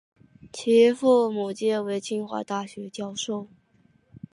其父母皆为清华大学教授。